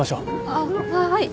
あっはい。